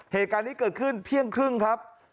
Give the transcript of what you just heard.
เหตุการณ์นี้เกิดขึ้นเที่ยงครึ่งครับ